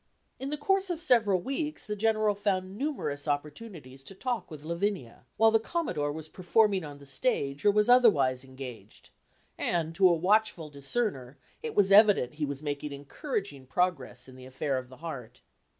In the course of several weeks the General found numerous opportunities to talk with Lavinia, while the Commodore was performing on the stage, or was otherwise engaged; and, to a watchful discerner, it was evident he was making encouraging progress in the affair of the heart.